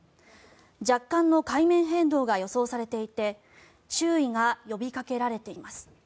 若干の海面変動が予想されていて注意が呼びかけられています。